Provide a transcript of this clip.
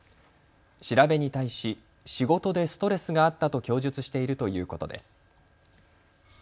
調べに対し仕事でストレスがあったと供述しているということです。